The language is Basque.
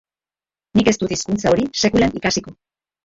Nik ez dut hizkuntza hori sekulan ikasiko.